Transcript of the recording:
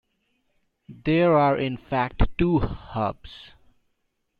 There are in fact two "hubs".